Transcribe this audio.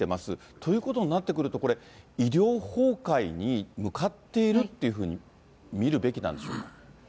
ということになってくると、これ、医療崩壊に向かっているっていうふうに見るべきなんでしょうか。